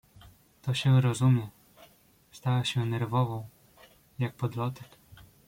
"To się rozumie!“ Stała się nerwową, jak podlotek."